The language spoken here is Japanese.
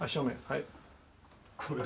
はい。